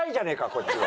こっちは。